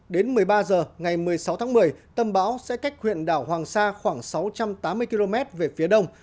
đến một mươi ba h ngày một mươi sáu tháng một mươi tâm bão sẽ cách huyện đảo hoàng sa khoảng sáu trăm tám mươi km về phía đông